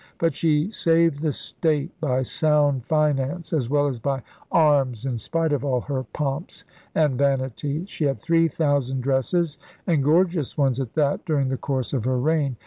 But she saved the state by sound finance as well as by arms in spite of all her pomps and vanities. She had three thousand dresses, and gorgeous ones at that, during the course of her reign.